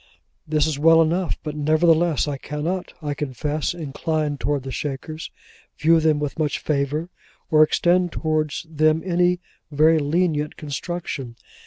This is well enough, but nevertheless I cannot, I confess, incline towards the Shakers; view them with much favour, or extend towards them any very lenient construction.